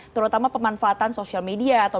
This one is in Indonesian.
terutama pemanfaatan sosial media atau